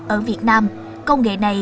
ở việt nam công nghệ này